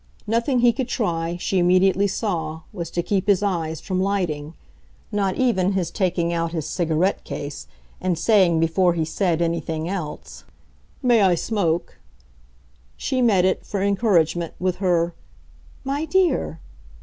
Nothing he could try, she immediately saw, was to keep his eyes from lighting; not even his taking out his cigarette case and saying before he said anything else: "May I smoke?" She met it, for encouragement, with her "My dear!"